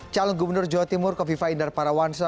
calon gubernur jawa timur kofifa indar parawansa